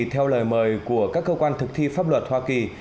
theo lời mời của các cơ quan thực thi pháp luật hoa kỳ